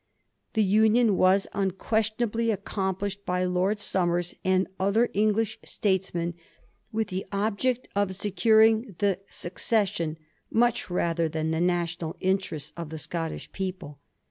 The union was unquestionably accomplished by Lord Somers and other English statesmen with the object of securing the succession much rather than the national interests of the Scottish people.